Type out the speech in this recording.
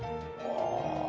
ああ。